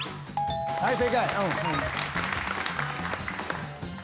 はい正解。